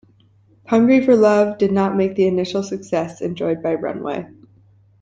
"Hungry for Your Love" did not match the initial success enjoyed by "Runaway".